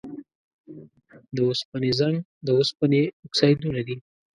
د اوسپنې زنګ د اوسپنې اکسایدونه دي.